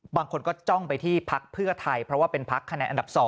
บางคนก็จ้องไปที่พักเพื่อไทยเพราะว่าเป็นพักคะแนนอันดับ๒